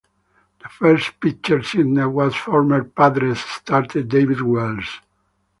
The first pitcher signed was former Padres starter David Wells.